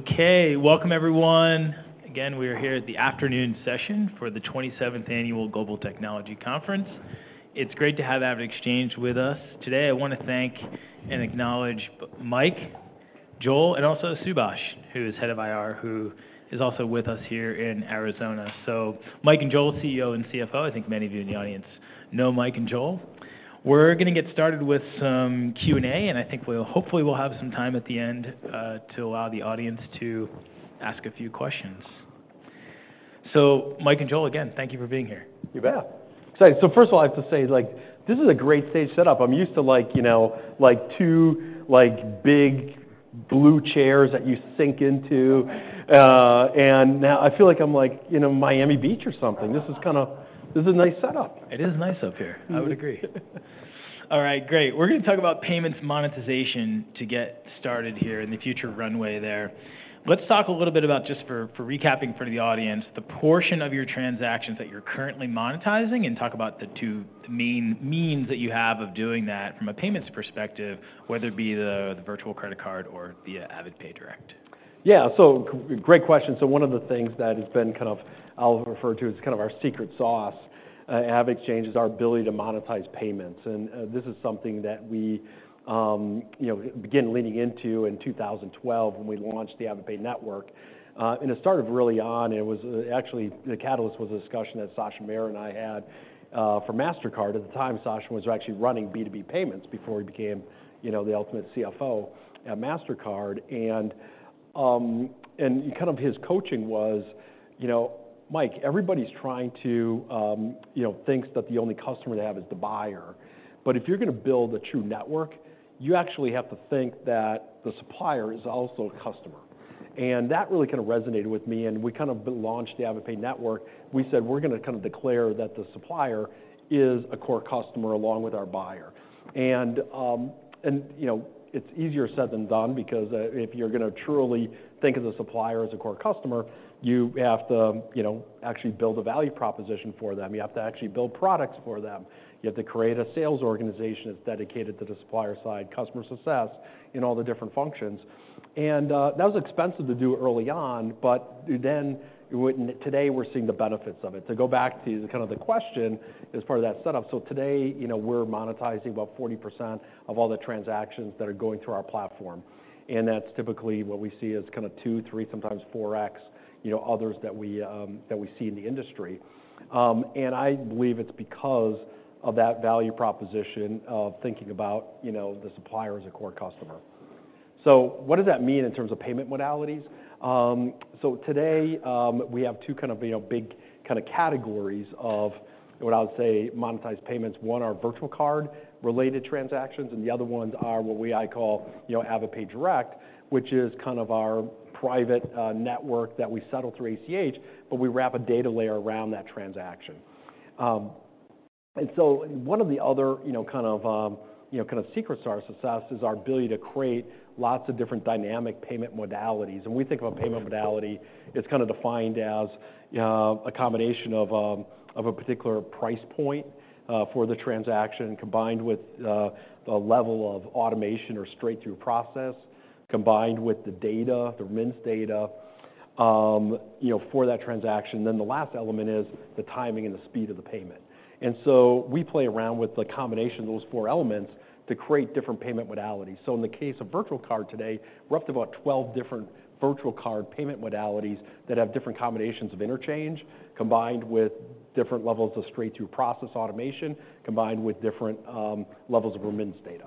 Okay, welcome everyone. Again, we are here at the afternoon session for the 27th Annual Global Technology Conference. It's great to have AvidXchange with us. Today, I wanna thank and acknowledge Mike, Joel, and also Subhash, who is head of IR, who is also with us here in Arizona. So Mike and Joel, CEO and CFO, I think many of you in the audience know Mike and Joel. We're gonna get started with some Q&A, and I think we'll hopefully have some time at the end to allow the audience to ask a few questions. So Mike and Joel, again, thank you for being here. You bet! So, so first of all, I have to say, like, this is a great stage setup. I'm used to like, you know, like two, like, big blue chairs that you sink into. And now I feel like I'm like, you know, in Miami Beach or something. This is kinda... This is a nice setup. It is nice up here. Mm-hmm. I would agree. All right, great. We're gonna talk about payments monetization to get started here and the future runway there. Let's talk a little bit about just for recapping for the audience, the portion of your transactions that you're currently monetizing, and talk about the two means that you have of doing that from a payments perspective, whether it be the virtual credit card or via AvidPay Direct. Yeah, so great question. So one of the things that has been kind of... I'll refer to as kind of our secret sauce at AvidXchange, is our ability to monetize payments, and this is something that we, you know, began leaning into in 2012, when we launched the AvidPay Network. And it started really on, and it was actually the catalyst was a discussion that Sachin Mehra and I had for Mastercard. At the time, Sachin was actually running B2B payments before he became, you know, the ultimate CFO at Mastercard. And kind of his coaching was, "You know, Mike, everybody's trying to, you know, thinks that the only customer they have is the buyer. But if you're gonna build a true network, you actually have to think that the supplier is also a customer." And that really kinda resonated with me, and we kind of launched the AvidPay Network. We said: "We're gonna kinda declare that the supplier is a core customer along with our buyer." And, you know, it's easier said than done because, if you're gonna truly think of the supplier as a core customer, you have to, you know, actually build a value proposition for them. You have to actually build products for them. You have to create a sales organization that's dedicated to the supplier side, customer success in all the different functions. And, that was expensive to do early on, but then, today, we're seeing the benefits of it. To go back to kind of the question, as part of that setup, so today, you know, we're monetizing about 40% of all the transactions that are going through our platform, and that's typically what we see as kinda 2, 3, sometimes 4x, you know, others that we, that we see in the industry. And I believe it's because of that value proposition of thinking about, you know, the supplier as a core customer. So what does that mean in terms of payment modalities? So today, we have two kind of, you know, big kinda categories of what I would say, monetized payments. One, are virtual card-related transactions, and the other ones are what we, I call, you know, AvidPay Direct, which is kind of our private, network that we settle through ACH, but we wrap a data layer around that transaction. One of the other, you know, kind of, you know, kind of secrets to our success is our ability to create lots of different dynamic payment modalities. When we think about payment modality, it's kinda defined as, a combination of a particular price point, for the transaction, combined with the level of automation or straight-through process, combined with the data, the remittance data, you know, for that transaction. Then the last element is the timing and the speed of the payment. And so we play around with the combination of those four elements to create different payment modalities. So in the case of virtual card today, we're up to about 12 different virtual card payment modalities that have different combinations of interchange, combined with different levels of straight-through process automation, combined with different, levels of remittance data.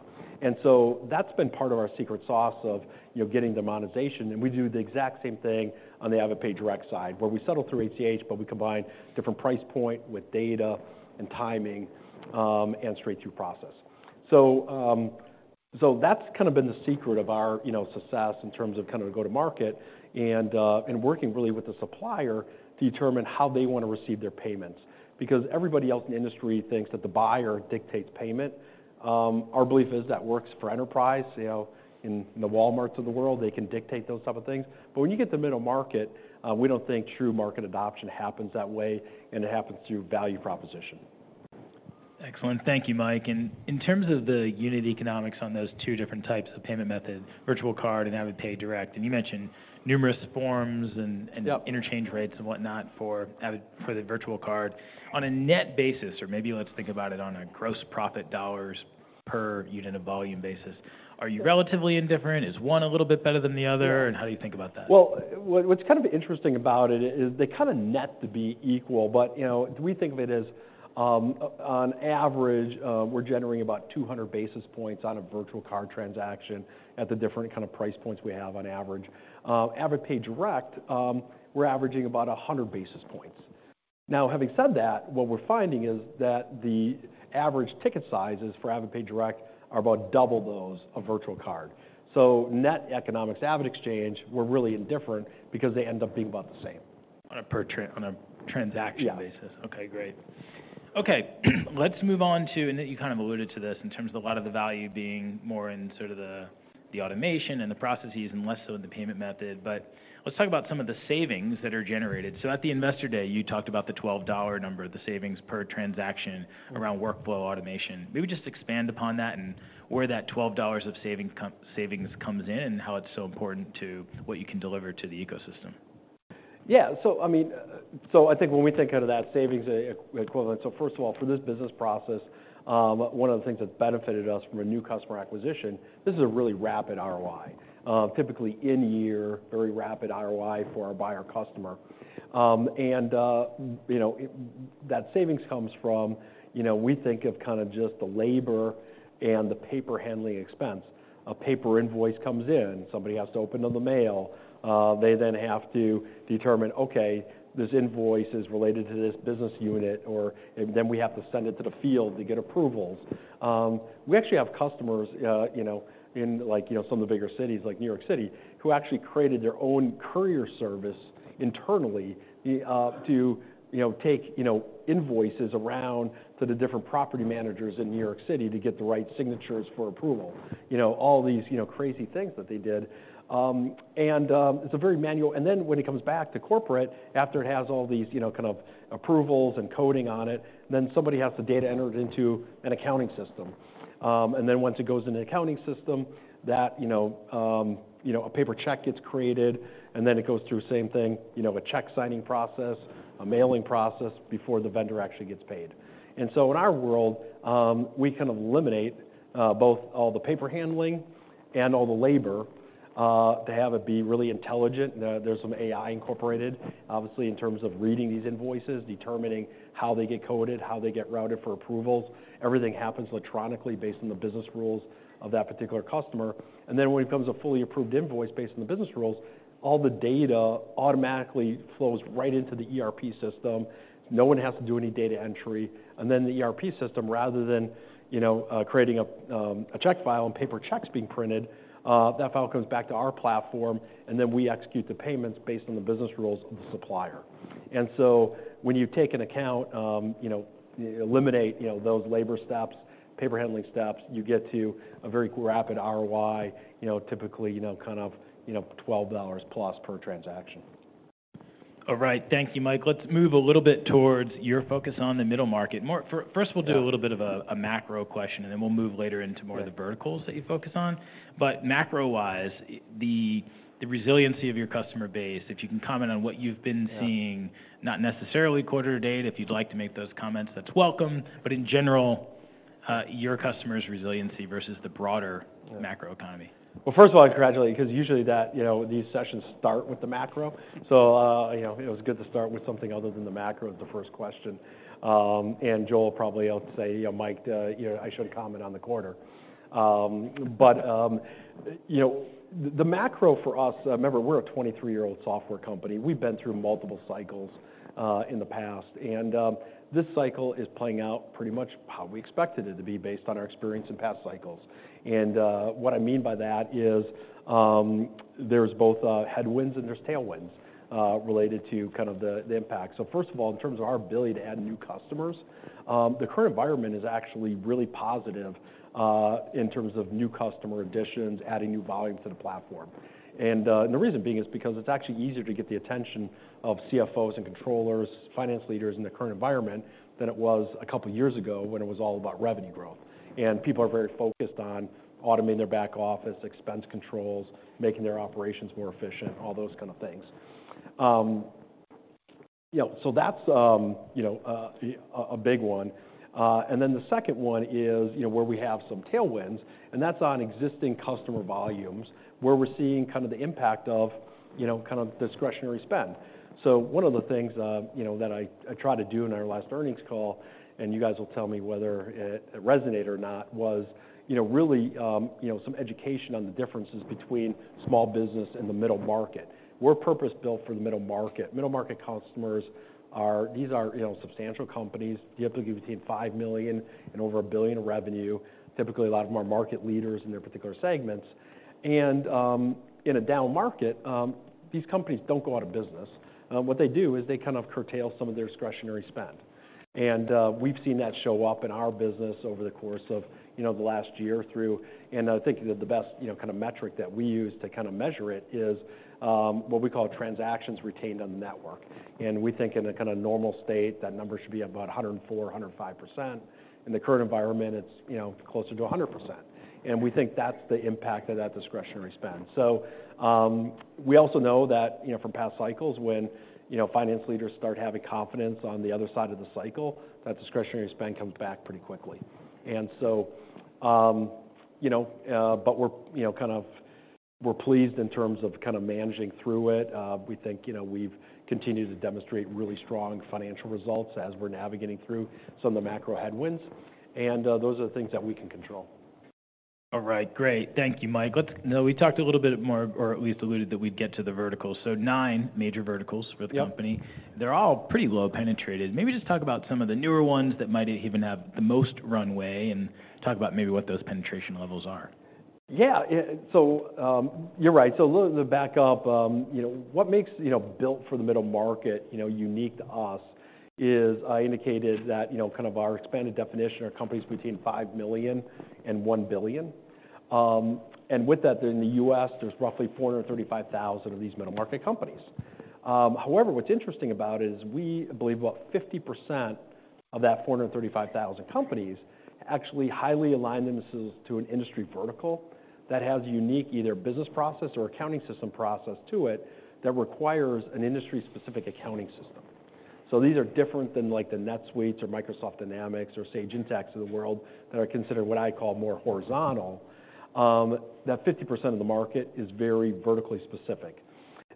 That's been part of our secret sauce of, you know, getting the monetization, and we do the exact same thing on the AvidPay Direct side, where we settle through ACH, but we combine different price point with data and timing, and straight-through processing. So that's kind of been the secret of our, you know, success in terms of kind of go-to-market and working really with the supplier to determine how they want to receive their payments. Because everybody else in the industry thinks that the buyer dictates payment. Our belief is that works for enterprise, you know, in the Walmarts of the world, they can dictate those type of things. But when you get to Middle Market, we don't think true market adoption happens that way, and it happens through value proposition. Excellent. Thank you, Mike. And in terms of the unit economics on those two different types of payment methods, virtual card and AvidPay Direct, and you mentioned numerous forms and- Yep... interchange rates and whatnot for Avid- for the virtual card. On a net basis, or maybe let's think about it on a gross profit dollars per unit of volume basis, are you relatively indifferent? Is one a little bit better than the other? Yeah. How do you think about that? Well, what's kind of interesting about it is they kinda net to be equal, but, you know, we think of it as, on average, we're generating about 200 basis points on a virtual card transaction at the different kind of price points we have on average. AvidPay Direct, we're averaging about 100 basis points. Now, having said that, what we're finding is that the average ticket sizes for AvidPay Direct are about double those of virtual card. So net economics AvidXchange, we're really indifferent because they end up being about the same. On a per transaction basis? Yeah. Okay, great. Okay, let's move on to, and then you kind of alluded to this in terms of a lot of the value being more in sort of the, the automation and the processes and less so in the payment method, but let's talk about some of the savings that are generated. So at the Investor Day, you talked about the $12 number, the savings per transaction- Mm-hmm... around workflow automation. Maybe just expand upon that and where that $12 of savings come, savings comes in, and how it's so important to what you can deliver to the ecosystem. ... Yeah, so I mean, so I think when we think out of that savings equivalent, so first of all, for this business process, one of the things that benefited us from a new customer acquisition, this is a really rapid ROI. Typically in year, very rapid ROI for our buyer customer. And, you know, it, that savings comes from, you know, we think of kind of just the labor and the paper handling expense. A paper invoice comes in, somebody has to open up the mail. They then have to determine, okay, this invoice is related to this business unit, or, and then we have to send it to the field to get approvals. We actually have customers, you know, in, like, you know, some of the bigger cities, like New York City, who actually created their own courier service internally, to, you know, take, you know, invoices around to the different property managers in New York City to get the right signatures for approval. You know, all these, you know, crazy things that they did. And it's a very manual... And then when it comes back to corporate, after it has all these, you know, kind of approvals and coding on it, then somebody has to data enter it into an accounting system. And then once it goes in the accounting system, that, you know, you know, a paper check gets created, and then it goes through the same thing, you know, a check signing process, a mailing process before the vendor actually gets paid. So in our world, we kind of eliminate both all the paper handling and all the labor to have it be really intelligent. There's some AI incorporated, obviously, in terms of reading these invoices, determining how they get coded, how they get routed for approvals. Everything happens electronically based on the business rules of that particular customer. And then when it becomes a fully approved invoice based on the business rules, all the data automatically flows right into the ERP system. No one has to do any data entry, and then the ERP system, rather than, you know, creating a check file and paper checks being printed, that file comes back to our platform, and then we execute the payments based on the business rules of the supplier. And so when you take into account, you know, eliminate, you know, those labor steps, paper handling steps, you get to a very rapid ROI, you know, typically, you know, kind of, you know, $12+ per transaction. All right. Thank you, Mike. Let's move a little bit towards your focus on the Middle Market. First, we'll do a little bit of a macro question, and then we'll move later into more of the verticals that you focus on. But macro-wise, the resiliency of your customer base, if you can comment on what you've been seeing, not necessarily quarter to date. If you'd like to make those comments, that's welcome, but in general, your customers' resiliency versus the broader macroeconomy. Well, first of all, I congratulate you, 'cause usually that, you know, these sessions start with the macro. So, you know, it was good to start with something other than the macro as the first question. And Joel probably will say, "You know, Mike, you know, I should comment on the quarter." But you know, the macro for us, remember, we're a 23-year-old software company. We've been through multiple cycles in the past, and this cycle is playing out pretty much how we expected it to be based on our experience in past cycles. And what I mean by that is, there's both headwinds and there's tailwinds related to kind of the impact. So first of all, in terms of our ability to add new customers, the current environment is actually really positive, in terms of new customer additions, adding new volume to the platform. And the reason being is because it's actually easier to get the attention of CFOs and controllers, finance leaders in the current environment than it was a couple of years ago when it was all about revenue growth. And people are very focused on automating their back office, expense controls, making their operations more efficient, all those kind of things. You know, so that's, you know, a big one. And then the second one is, you know, where we have some tailwinds, and that's on existing customer volumes, where we're seeing kind of the impact of, you know, kind of discretionary spend. So one of the things, you know, that I, I tried to do in our last earnings call, and you guys will tell me whether it, it resonated or not, was, you know, really, you know, some education on the differences between small business and the middle market. We're purpose-built for the middle market. Middle market customers are... These are, you know, substantial companies, typically between $5 million and over $1 billion in revenue, typically a lot of them are market leaders in their particular segments. And, in a down market, these companies don't go out of business. What they do is they kind of curtail some of their discretionary spend. And, we've seen that show up in our business over the course of, you know, the last year through... I think that the best, you know, kind of metric that we use to kind of measure it is what we call Transactions Retained on Network. We think in a kind of normal state, that number should be about 104-105%. In the current environment, it's, you know, closer to 100%, and we think that's the impact of that discretionary spend. So, we also know that, you know, from past cycles, when, you know, finance leaders start having confidence on the other side of the cycle, that discretionary spend comes back pretty quickly. And so, you know, but we're, you know, kind of, we're pleased in terms of kind of managing through it. We think, you know, we've continued to demonstrate really strong financial results as we're navigating through some of the macro headwinds, and those are the things that we can control. All right. Great. Thank you, Mike. Let's... Now, we talked a little bit more, or at least alluded, that we'd get to the verticals. So nine major verticals for the company. Yep. They're all pretty low-penetrated. Maybe just talk about some of the newer ones that might even have the most runway and talk about maybe what those penetration levels are. Yeah, yeah, so, you're right. So a little to back up, you know, what makes, you know, built for the middle market, you know, unique to us is I indicated that, you know, kind of our expanded definition are companies between $5 million and $1 billion. And with that, in the U.S., there's roughly 435,000 of these middle-market companies. However, what's interesting about it is, we believe about 50% of that 435,000 companies actually highly align themselves to an industry vertical that has a unique either business process or accounting system process to it that requires an industry-specific accounting system. So these are different than like the NetSuite or Microsoft Dynamics, or Sage Intacct of the world, that are considered what I call more horizontal. That 50% of the market is very vertically specific.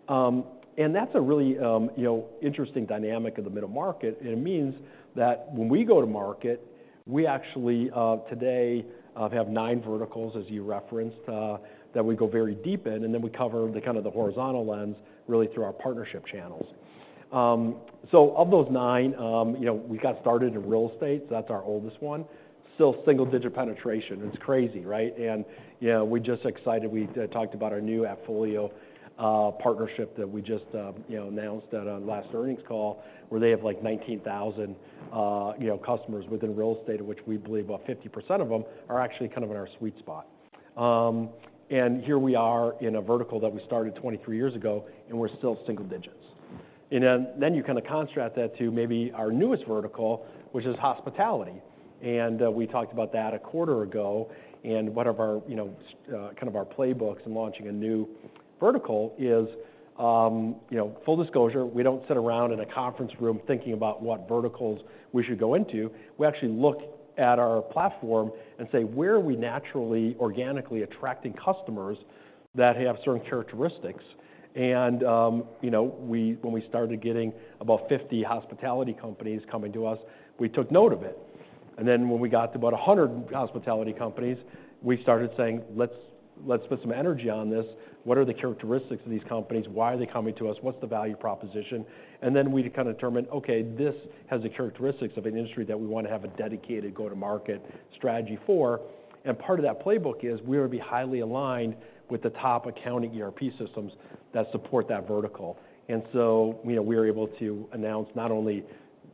That's a really, you know, interesting dynamic of the middle market, and it means that when we go to market, we actually today have 9 verticals, as you referenced, that we go very deep in, and then we cover the kind of the horizontal lens really through our partnership channels. So of those 9, you know, we got started in real estate, so that's our oldest one. Still single-digit penetration. It's crazy, right? You know, we're just excited. We talked about our new AppFolio partnership that we just, you know, announced at, on last earnings call, where they have, like, 19,000, you know, customers within real estate, of which we believe about 50% of them are actually kind of in our sweet spot. And here we are in a vertical that we started 23 years ago, and we're still single digits. And then you kind of contrast that to maybe our newest vertical, which is hospitality, and we talked about that a quarter ago, and one of our, you know, kind of our playbooks in launching a new vertical is, you know, full disclosure, we don't sit around in a conference room thinking about what verticals we should go into. We actually look at our platform and say, "Where are we naturally, organically attracting customers that have certain characteristics?" And, you know, when we started getting about 50 hospitality companies coming to us, we took note of it. And then, when we got to about 100 hospitality companies, we started saying, "Let's put some energy on this. What are the characteristics of these companies? Why are they coming to us? What's the value proposition?" And then we kind of determined, okay, this has the characteristics of an industry that we wanna have a dedicated go-to-market strategy for. And part of that playbook is we would be highly aligned with the top accounting ERP systems that support that vertical. And so, you know, we were able to announce not only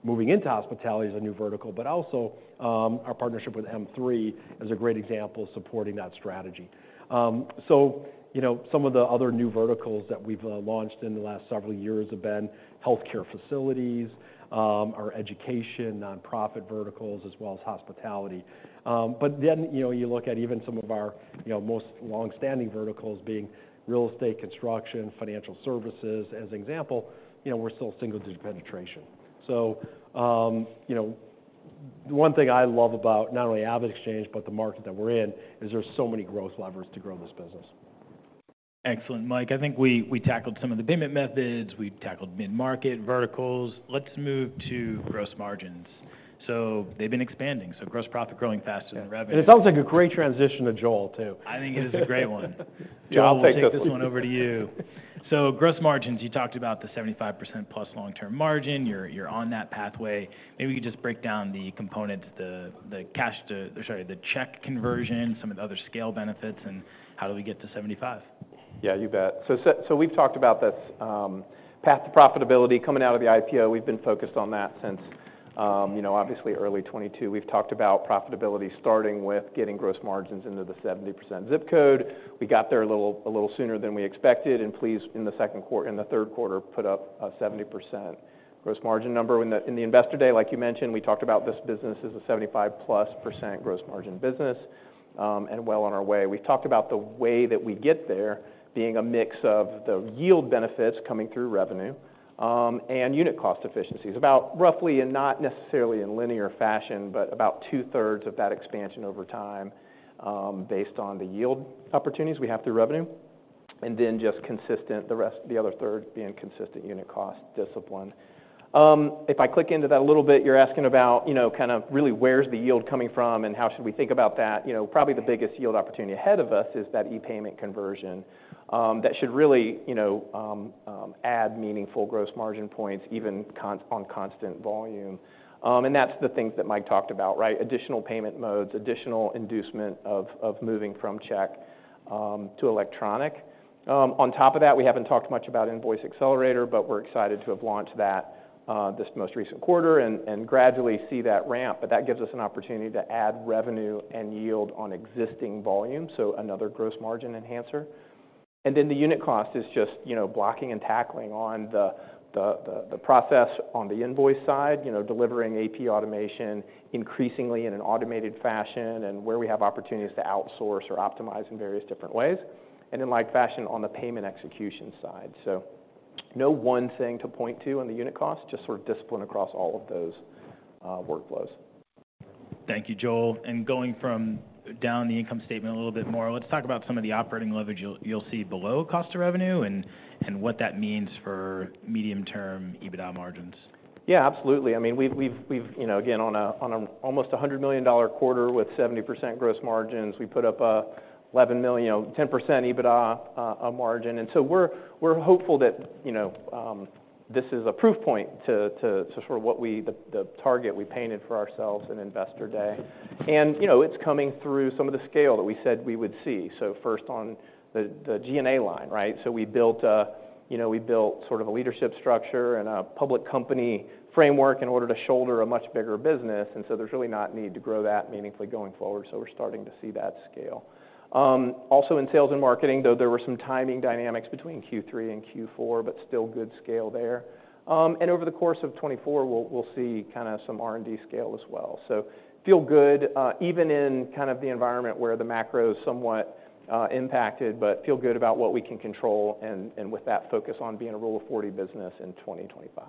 moving into hospitality as a new vertical, but also our partnership with M3 as a great example of supporting that strategy. So, you know, some of the other new verticals that we've launched in the last several years have been healthcare facilities, our education, nonprofit verticals, as well as hospitality. But then, you know, you look at even some of our, you know, most long-standing verticals being real estate, construction, financial services, as an example, you know, we're still single-digit penetration. So, you know, one thing I love about not only AvidXchange, but the market that we're in, is there's so many growth levers to grow this business. Excellent, Mike. I think we tackled some of the payment methods. We've tackled mid-market verticals. Let's move to gross margins. So they've been expanding, so gross profit growing faster than revenue. It sounds like a great transition to Joel, too. I think it is a great one. Joel, take this one. So we'll take this one over to you. So gross margins, you talked about the 75%+ long-term margin. You're on that pathway. Maybe you could just break down the components, the cash to... Sorry, the check conversion, some of the other scale benefits, and how do we get to 75? Yeah, you bet. So we've talked about this path to profitability coming out of the IPO. We've been focused on that since, you know, obviously early 2022. We've talked about profitability, starting with getting gross margins into the 70% ZIP code. We got there a little sooner than we expected, and please, in the third quarter, put up a 70% gross margin number. In the Investor Day, like you mentioned, we talked about this business as a 75%+ gross margin business, and well on our way. We talked about the way that we get there being a mix of the yield benefits coming through revenue, and unit cost efficiencies. About roughly, and not necessarily in linear fashion, but about two-thirds of that expansion over time, based on the yield opportunities we have through revenue, and then just consistent, the rest, the other third being consistent unit cost discipline. If I click into that a little bit, you're asking about, you know, kind of really where's the yield coming from, and how should we think about that? You know, probably the biggest yield opportunity ahead of us is that e-payment conversion, that should really, you know, add meaningful gross margin points, even on constant volume. And that's the things that Mike talked about, right? Additional payment modes, additional inducement of, of moving from check to electronic. On top of that, we haven't talked much about Invoice Accelerator, but we're excited to have launched that this most recent quarter and gradually see that ramp. But that gives us an opportunity to add revenue and yield on existing volume, so another gross margin enhancer. And then the unit cost is just, you know, blocking and tackling on the process on the invoice side, you know, delivering AP automation increasingly in an automated fashion, and where we have opportunities to outsource or optimize in various different ways, and in like fashion, on the payment execution side. So no one thing to point to on the unit cost, just sort of discipline across all of those workflows. Thank you, Joel. Going from down the income statement a little bit more, let's talk about some of the operating leverage you'll see below cost of revenue and what that means for medium-term EBITDA margins. Yeah, absolutely. I mean, we've... You know, again, on an almost $100 million quarter with 70% gross margins, we put up an $11 million, you know, 10% EBITDA margin. And so we're hopeful that, you know, this is a proof point to sort of what we- the target we painted for ourselves in Investor Day. And, you know, it's coming through some of the scale that we said we would see, so first on the G&A line, right? So we built, you know, we built sort of a leadership structure and a public company framework in order to shoulder a much bigger business, and so there's really no need to grow that meaningfully going forward, so we're starting to see that scale. Also, in sales and marketing, though, there were some timing dynamics between Q3 and Q4, but still good scale there. And over the course of 2024, we'll see kind of some R&D scale as well. So, feel good, even in kind of the environment where the macro is somewhat impacted but feel good about what we can control and with that focus on being a Rule of 40 business in 2025. ...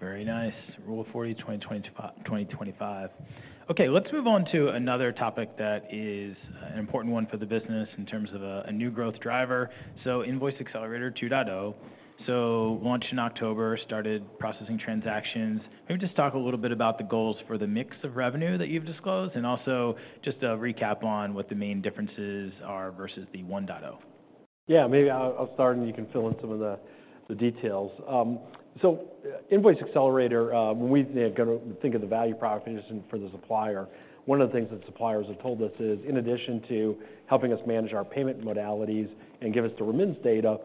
Very nice. Rule of 40, 2025, 2025. Okay, let's move on to another topic that is an important one for the business in terms of a new growth driver. So Invoice Accelerator 2.0. So launched in October, started processing transactions. Maybe just talk a little bit about the goals for the mix of revenue that you've disclosed, and also just a recap on what the main differences are versus the 1.0. Yeah, maybe I'll start, and you can fill in some of the details. So Invoice Accelerator, when we go to think of the value proposition for the supplier, one of the things that suppliers have told us is, "In addition to helping us manage our payment modalities and give us the remittance data,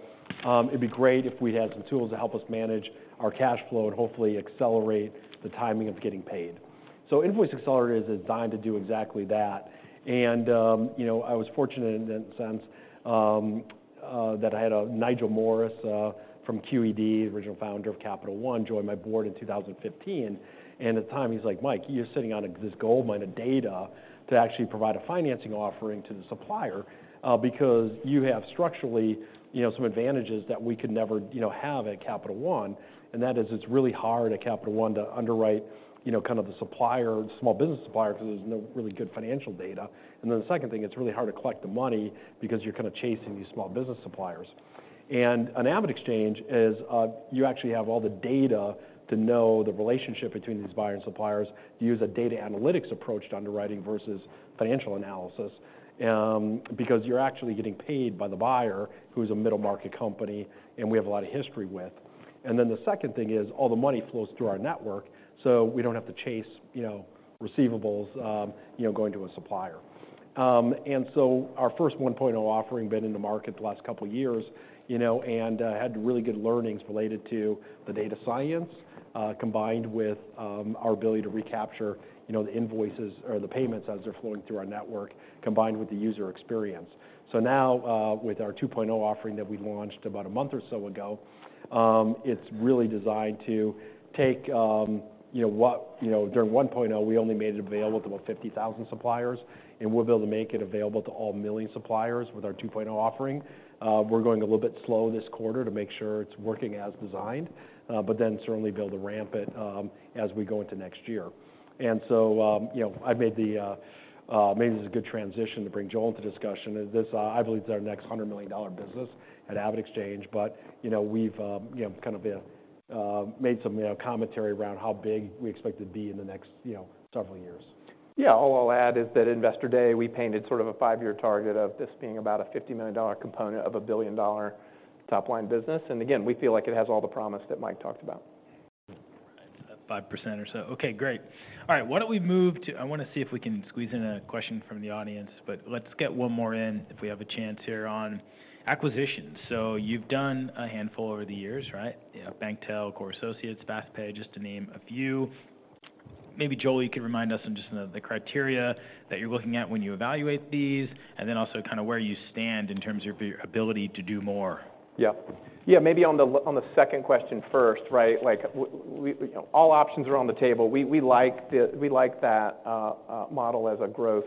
it'd be great if we had some tools to help us manage our cash flow and hopefully accelerate the timing of getting paid." So Invoice Accelerator is designed to do exactly that. And, you know, I was fortunate in the sense that I had a Nigel Morris from QED, the original founder of Capital One, join my board in 2015. And at the time, he's like, "Mike, you're sitting on this goldmine of data to actually provide a financing offering to the supplier, because you have structurally, you know, some advantages that we could never, you know, have at Capital One, and that is it's really hard at Capital One to underwrite, you know, kind of the supplier, small business supplier, because there's no really good financial data. And then the second thing, it's really hard to collect the money because you're kind of chasing these small business suppliers." And on AvidXchange is, you actually have all the data to know the relationship between these buyers and suppliers, use a data analytics approach to underwriting versus financial analysis, because you're actually getting paid by the buyer, who's a middle-market company, and we have a lot of history with. And then the second thing is, all the money flows through our network, so we don't have to chase, you know, receivables, you know, going to a supplier. And so our first 1.0 offering been in the market the last couple of years, you know, and, had really good learnings related to the data science, combined with, our ability to recapture, you know, the invoices or the payments as they're flowing through our network, combined with the user experience. So now, with our 2.0 offering that we launched about a month or so ago, it's really designed to take, you know what... You know, during 1.0, we only made it available to about 50,000 suppliers, and we'll be able to make it available to all 1 million suppliers with our 2.0 offering. We're going a little bit slow this quarter to make sure it's working as designed, but then certainly be able to ramp it, as we go into next year. And so, you know, maybe this is a good transition to bring Joel into discussion. This, I believe, is our next $100 million business at AvidXchange, but, you know, we've, you know, kind of, made some, you know, commentary around how big we expect it to be in the next, you know, several years. Yeah. All I'll add is that at Investor Day, we painted sort of a five-year target of this being about a $50 million component of a billion-dollar top-line business. And again, we feel like it has all the promise that Mike talked about. 5% or so. Okay, great. All right, why don't we move to, I want to see if we can squeeze in a question from the audience, but let's get one more in if we have a chance here on acquisitions. So you've done a handful over the years, right? Yeah, BankTel, Core Associates, FastPay, just to name a few. Maybe, Joel, you can remind us on just the criteria that you're looking at when you evaluate these, and then also kind of where you stand in terms of your ability to do more. Yeah. Yeah, maybe on the second question first, right? Like we all options are on the table. We like that model as a growth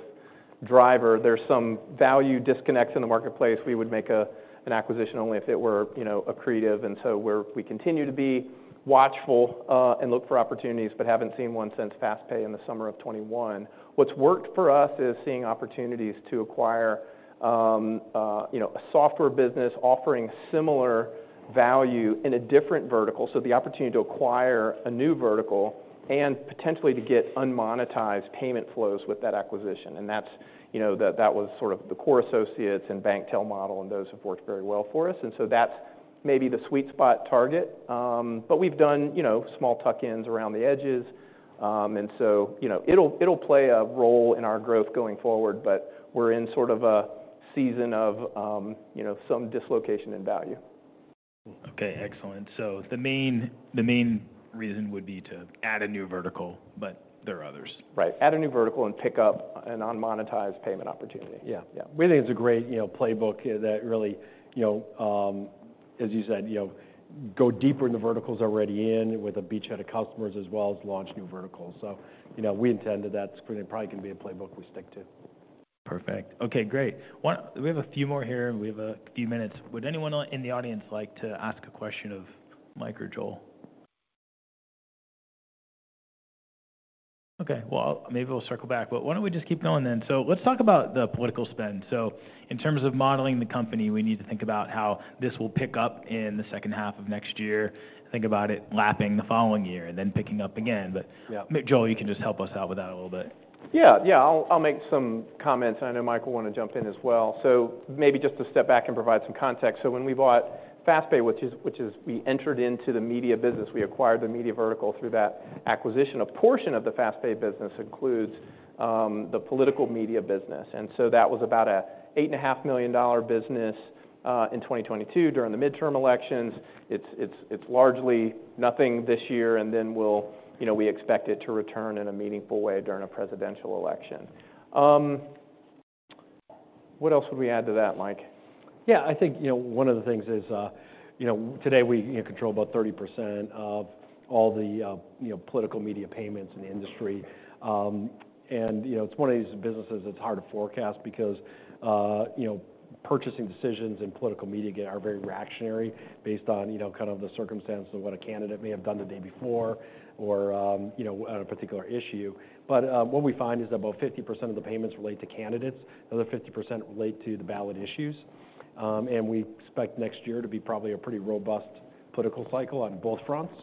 driver. There's some value disconnects in the marketplace. We would make an acquisition only if it were you know accretive, and so we're. We continue to be watchful and look for opportunities, but haven't seen one since FastPay in the summer of 2021. What's worked for us is seeing opportunities to acquire you know a software business offering similar value in a different vertical, so the opportunity to acquire a new vertical and potentially to get unmonetized payment flows with that acquisition. And that's you know that that was sort of the Core Associates and BankTel model, and those have worked very well for us. And so that's maybe the sweet spot target. But we've done, you know, small tuck-ins around the edges. And so, you know, it'll, it'll play a role in our growth going forward, but we're in sort of a season of, you know, some dislocation in value. Okay, excellent. So the main, the main reason would be to add a new vertical, but there are others. Right. Add a new vertical and pick up an unmonetized payment opportunity. Yeah, yeah. We think it's a great, you know, playbook that really, you know, as you said, you know, go deeper in the verticals already in with a beachhead of customers, as well as launch new verticals. So, you know, we intend that that's probably going to be a playbook we stick to. Perfect. Okay, great. We have a few more here, and we have a few minutes. Would anyone in the audience like to ask a question of Mike or Joel? Okay, well, maybe we'll circle back, but why don't we just keep going then? So let's talk about the political spend. So in terms of modeling the company, we need to think about how this will pick up in the second half of next year. Think about it lapping the following year and then picking up again. Yeah. Maybe, Joel, you can just help us out with that a little bit. Yeah, yeah, I'll, I'll make some comments. I know Mike will want to jump in as well. So maybe just to step back and provide some context. So when we bought FastPay, which is, which is we entered into the media business, we acquired the media vertical through that acquisition. A portion of the FastPay business includes, the political media business, and so that was about a 8.5 million dollar business, in 2022, during the midterm elections. It's, it's, it's largely nothing this year, and then we'll, you know, we expect it to return in a meaningful way during a presidential election. What else would we add to that, Mike? Yeah, I think, you know, one of the things is, you know, today we, you know, control about 30% of all the, you know, political media payments in the industry. And, you know, it's one of these businesses that's hard to forecast because purchasing decisions and political media, again, are very reactionary based on, you know, kind of the circumstance of what a candidate may have done the day before or, you know, on a particular issue. But, what we find is about 50% of the payments relate to candidates, another 50% relate to the ballot issues. And we expect next year to be probably a pretty robust political cycle on both fronts.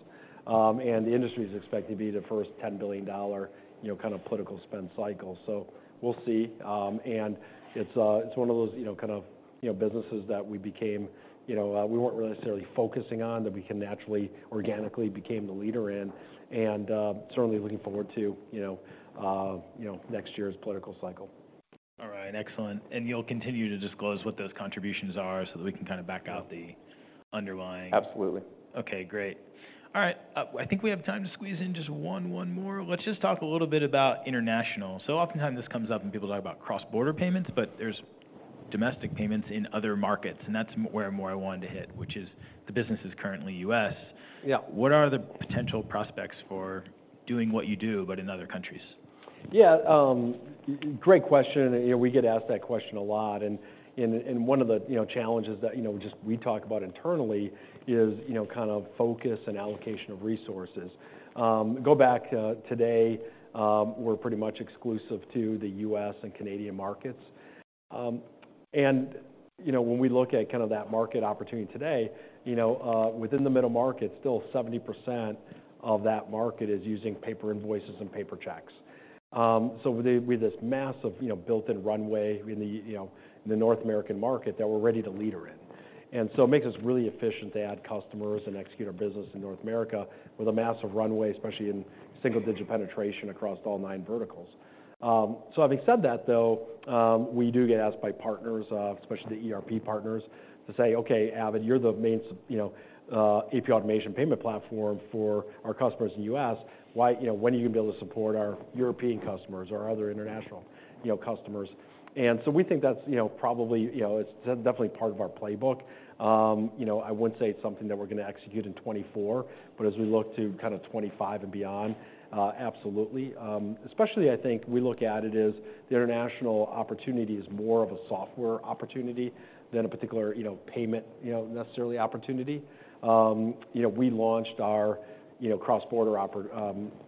And the industry is expected to be the first $10 billion, you know, kind of political spend cycle. So we'll see. It's one of those, you know, kind of, you know, businesses that we weren't necessarily focusing on, that we naturally, organically became the leader in, and certainly looking forward to, you know, you know, next year's political cycle. All right, excellent. You'll continue to disclose what those contributions are so that we can kind of back out the underlying? Absolutely. Okay, great. All right, I think we have time to squeeze in just one more. Let's just talk a little bit about international. So oftentimes this comes up when people talk about cross-border payments, but there's domestic payments in other markets, and that's more where I wanted to hit, which is the business is currently U.S. Yeah. What are the potential prospects for doing what you do, but in other countries? Yeah, great question, and, you know, we get asked that question a lot, and one of the, you know, challenges that, you know, just we talk about internally is, you know, kind of focus and allocation of resources. Go back, today, we're pretty much exclusive to the U.S. and Canadian markets. And, you know, when we look at kind of that market opportunity today, you know, within the middle market, still 70% of that market is using paper invoices and paper checks. So with this massive, you know, built-in runway in the, you know, in the North American market that we're ready to leader in. And so it makes us really efficient to add customers and execute our business in North America with a massive runway, especially in single-digit penetration across all nine verticals. So having said that, though, we do get asked by partners, especially the ERP partners, to say, "Okay, Avid, you're the main, you know, AP automation payment platform for our customers in the U.S. Why? You know, when are you gonna be able to support our European customers or other international, you know, customers?" And so we think that's, you know, probably, you know, it's definitely part of our playbook. You know, I wouldn't say it's something that we're gonna execute in 2024, but as we look to kind of 2025 and beyond, absolutely. Especially, I think, we look at it as the international opportunity is more of a software opportunity than a particular, you know, payment, you know, necessarily opportunity. You know, we launched our, you know, cross-border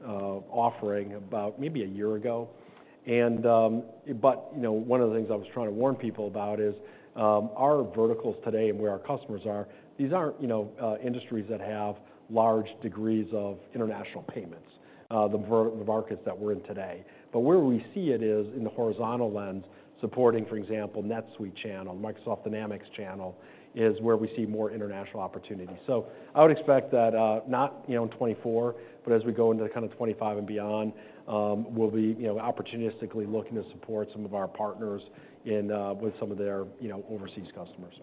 offering about maybe a year ago, and, but, you know, one of the things I was trying to warn people about is, our verticals today and where our customers are, these aren't, you know, industries that have large degrees of international payments, the markets that we're in today. But where we see it is in the horizontal lens, supporting, for example, NetSuite channel, Microsoft Dynamics channel, is where we see more international opportunities. So I would expect that, not, you know, in 2024, but as we go into kind of 2025 and beyond, we'll be, you know, opportunistically looking to support some of our partners in, with some of their, you know, overseas customers.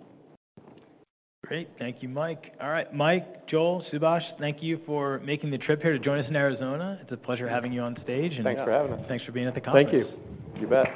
Great. Thank you, Mike. All right, Mike, Joel, Subash, thank you for making the trip here to join us in Arizona. It's a pleasure having you on stage, and- Thanks for having us. Thanks for being at the conference. Thank you. You bet.